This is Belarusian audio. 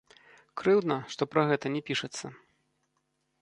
Крыўдна, што пра гэта не пішацца.